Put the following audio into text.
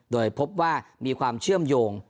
โดยพบว่ามีความเชื่อมโยง